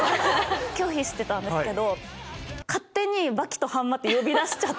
拒否してたんですけど。